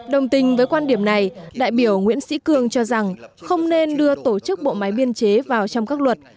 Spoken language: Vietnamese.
đồng tình với quan điểm này đại biểu nguyễn sĩ cương cho rằng không nên đưa tổ chức bộ máy biên chế vào trong các luật